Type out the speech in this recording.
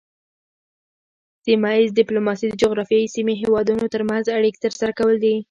سیمه ایز ډیپلوماسي د جغرافیایي سیمې هیوادونو ترمنځ اړیکې ترسره کول دي